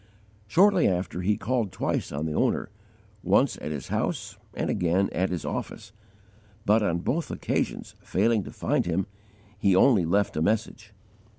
Shortly after, he called twice on the owner, once at his house and again at his office; but on both occasions failing to find him, he only left a message.